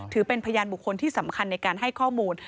ถือเป็นพยานบุคคลที่สำคัญในการให้ข้อมูล